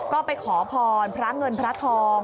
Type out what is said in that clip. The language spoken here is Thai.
ก็ไปขอพรพระเงินพระทอง